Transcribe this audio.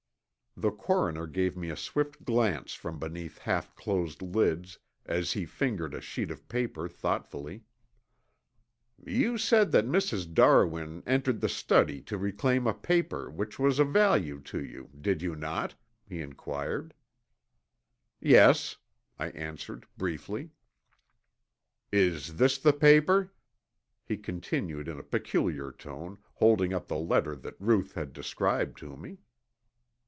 The coroner gave me a swift glance from beneath half closed lids as he fingered a sheet of paper thoughtfully. "You said that Mrs. Darwin entered the study to reclaim a paper which was of value to you, did you not?" he inquired. "Yes," I answered, briefly. "Is this the paper?" he continued in a peculiar tone, holding up the letter that Ruth had described to me.